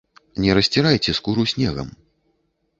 Не расцірайце скуру снегам.